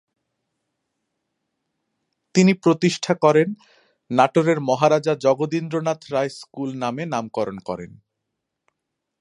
তিনি প্রতিষ্ঠা করেন, নাটোরের মহারাজা জগদিন্দ্রনাথ রায় স্কুল নামে নামকরণ করেন।